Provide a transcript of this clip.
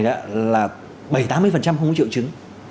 là bảy mươi tám mươi không có triệu chứng